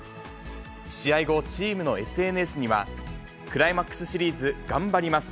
試合後、チームのＳＮＳにはクライマックスシリーズ頑張ります！